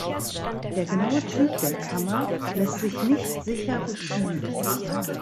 Der genaue Typ der Kammer lässt sich nicht sicher bestimmen.